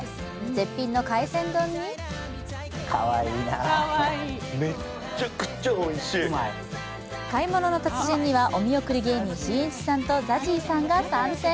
絶品の海鮮丼に「買い物の達人」にはお見送り芸人しんいちさんとＺＡＺＹさんが参戦。